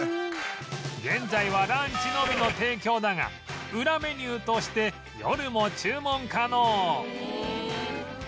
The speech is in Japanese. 現在はランチのみの提供だがウラメニューとして夜も注文可能